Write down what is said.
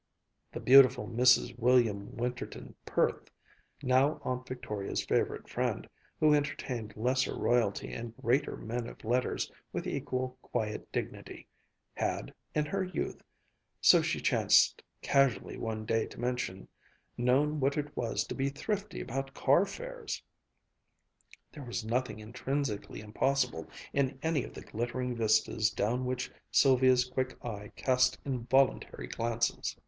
The beautiful Mrs. William Winterton Perth, now Aunt Victoria's favorite friend, who entertained lesser royalty and greater men of letters with equal quiet dignity, had in her youth, so she chanced casually one day to mention, known what it was to be thrifty about car fares. There was nothing intrinsically impossible in any of the glittering vistas down which Sylvia's quick eye cast involuntary glances.